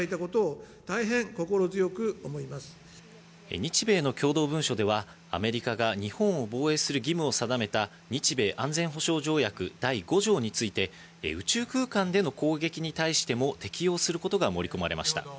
日米の共同文書ではアメリカが日本を防衛する義務を定めた日米安全保障条約第５条について宇宙空間での攻撃に対しても適用することが盛り込まれました。